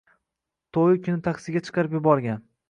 to‘yi kuni taksiga chiqarib yuborgan